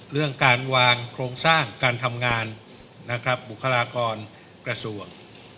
เรื่องการวางโครงสร้างการทำงานนะครับบุคลากรกระทรวง